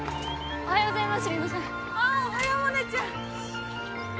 おはようございます。